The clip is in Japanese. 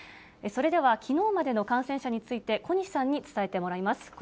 それではきのうまでの感染者について、小西さんに伝えてもらいます。